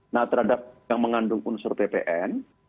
nah terhadap yang mengandung unsur ppn